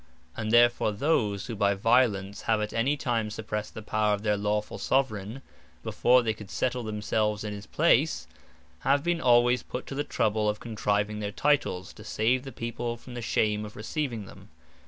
And therefore those, who by violence have at any time suppressed the Power of their Lawfull Soveraign, before they could settle themselves in his place, have been alwayes put to the trouble of contriving their Titles, to save the People from the shame of receiving them.